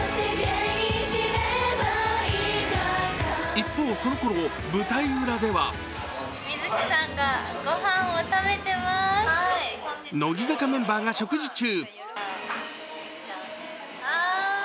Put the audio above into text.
一方、そのころ、舞台裏では乃木坂メンバーが食事中。